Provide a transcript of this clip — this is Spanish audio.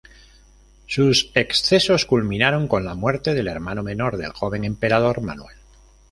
Sus excesos culminaron con la muerte del hermano menor del joven emperador, Manuel.